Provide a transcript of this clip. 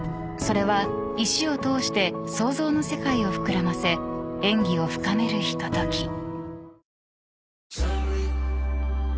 ［それは石を通して想像の世界を膨らませ演技を深めるひととき］